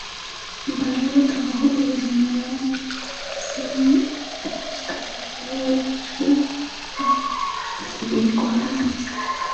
En paralelo al trabajo profesional Adamczewska-Wejcher se dedicó a la docencia.